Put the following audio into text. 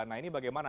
nah ini bagaimana